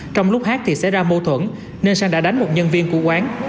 trong lúc hát thì xảy ra mâu thuẫn nên sang đã đánh một nhân viên của quán